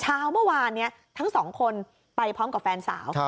เช้าเมื่อวานนี้ทั้งสองคนไปพร้อมกับแฟนสาว